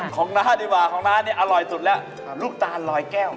น้าดีกว่าของน้าเนี่ยอร่อยสุดแล้วลูกตาลลอยแก้ว